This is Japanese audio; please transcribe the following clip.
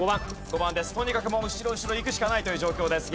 とにかく後ろ後ろいくしかないという状況です